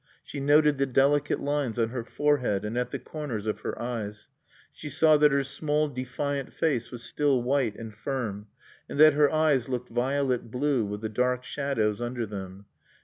She noted the delicate lines on her forehead and at the corners of her eyes; she saw that her small defiant face was still white and firm, and that her eyes looked violet blue with the dark shadows under them.